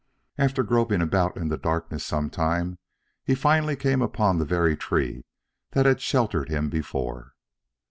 After groping about in the darkness some time, he finally came upon the very tree that had sheltered him before.